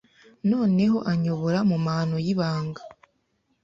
Noneho anyobora mu mahano y'ibanga